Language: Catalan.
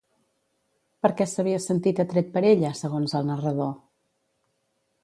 Per què s'havia sentit atret per ella, segons el narrador?